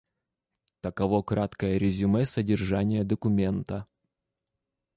Таково краткое резюме содержания документа.